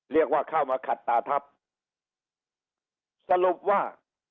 เรียกว่าเข้ามาขัดตาทัพสรุปว่า